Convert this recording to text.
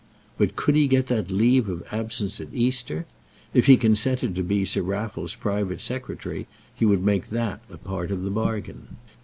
But could he get that leave of absence at Easter? If he consented to be Sir Raffle's private secretary, he would make that a part of the bargain.